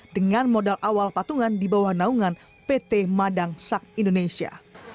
dengan modal awal patungan di bawah naungan pt madang sak indonesia